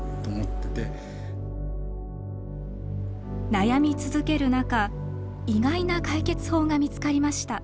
悩み続ける中意外な解決法が見つかりました。